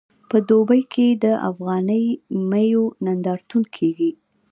په دوبۍ کې د افغاني میوو نندارتون کیږي.